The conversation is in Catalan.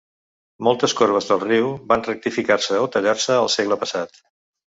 Moltes corbes del riu van rectificar-se o tallar-se al segle passat.